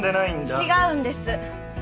違うんです！